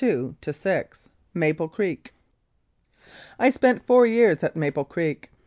MAPLE CREEK I SPENT four years at Maple Creek.